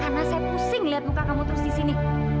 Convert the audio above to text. karena saya pusing lihat muka kamu terus disini